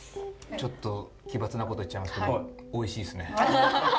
ちょっと奇抜なこと言っちゃいますけどおいしいっすね。